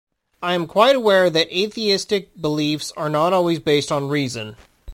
I am quite aware that atheistic beliefs are not always based on reason.